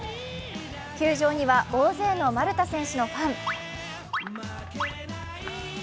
球場には大勢の丸田選手のファン。